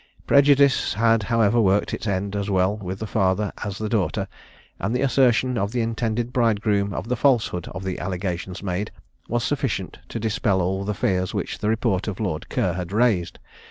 Prejudice had, however, worked its end as well with the father as the daughter, and the assertion of the intended bridegroom of the falsehood of the allegations made was sufficient to dispel all the fears which the report of Lord Ker had raised.